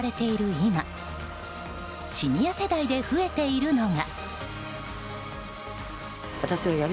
今シニア世代で増えているのが。